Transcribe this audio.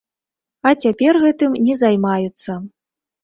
А цяпер гэтым не займаюцца.